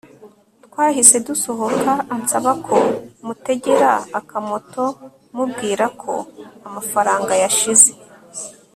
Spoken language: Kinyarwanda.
twahise dusohoka ansaba ko mutegera akamoto mubwirako amafaranga yashize